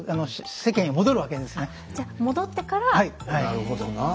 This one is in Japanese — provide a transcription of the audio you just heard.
なるほどなあ。